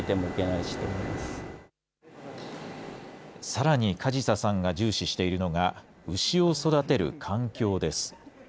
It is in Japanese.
さらに加治佐さんが重視しているのが、牛を育てる環境です。